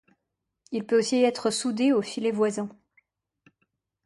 Il peut aussi être soudé aux filets voisins.